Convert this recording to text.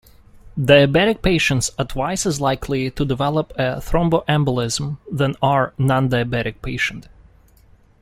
Diabetic patients are twice as likely to develop a thromboembolism than are non-diabetic patient.